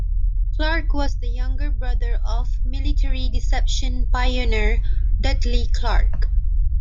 Clarke was the younger brother of military deception pioneer Dudley Clarke.